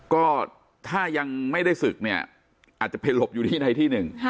ก็ถ้ายังไม่ได้ศึกเนี่ยอาจจะไปหลบอยู่ที่ใดที่หนึ่ง